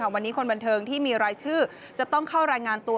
วันนี้คนบันเทิงที่มีรายชื่อจะต้องเข้ารายงานตัว